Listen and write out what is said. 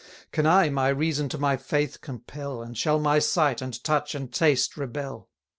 Can I my reason to my faith compel, And shall my sight, and touch, and taste rebel?